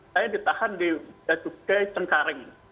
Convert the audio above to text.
saya ditahan di bacukai cengkaring